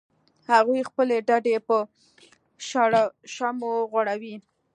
هغوی خپلې ډډې په شړشمو غوړولې